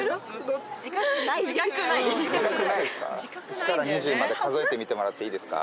１から２０まで数えてみてもらっていいですか。